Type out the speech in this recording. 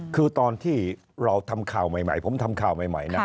คือตอนที่เราทำข่าวใหม่ผมทำข่าวใหม่นะ